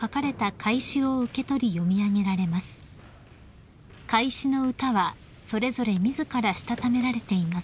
［懐紙の歌はそれぞれ自らしたためられています］